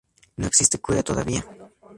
No existe cura todavía.